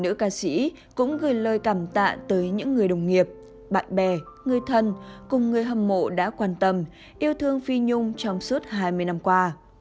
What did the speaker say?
nữ ca sĩ cũng gửi lời cảm tạ tới những người đồng nghiệp bạn bè người thân cùng người hâm mộ đã quan tâm yêu thương phi nhung trong suốt hai mươi năm qua